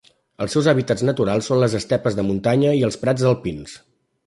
Els seus hàbitats naturals són les estepes de muntanya i els prats alpins.